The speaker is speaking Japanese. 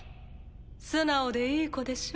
⁉素直でいい子でしょ？